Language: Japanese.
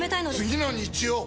次の日曜！